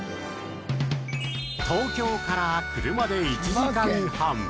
東京から車で１時間半。